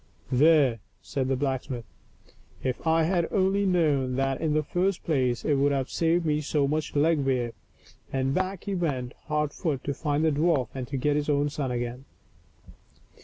" There !" said the blacksmith, " if I had only known that in the first place it would have saved me so much leg wear," and back he went, hot foot, to find the dwarf and to get his son again.